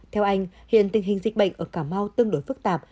theo anh hiện tình hình dịch bệnh ở cà mau tương đối phức tạp